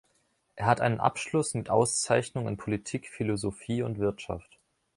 Er hat einen Abschluss mit Auszeichnung in Politik, Philosophie und Wirtschaft.